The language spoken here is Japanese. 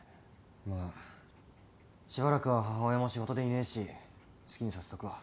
まあしばらくは母親も仕事でいねえし好きにさせとくわ。